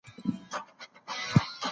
فیصلې باید له هر ډول توپیر پرته وسي.